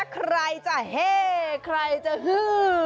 ใครจะเฮ่ใครจะฮือ